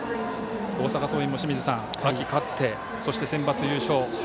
大阪桐蔭も清水さん、秋勝ってそして、センバツ優勝。